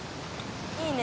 いいね。